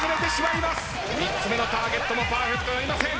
３つ目のターゲットもパーフェクトなりません。